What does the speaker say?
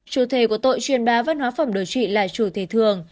chủ thể của tội chuyển bá văn hóa phẩm đối trị là chủ thể thường